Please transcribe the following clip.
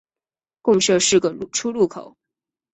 共设四个出入口。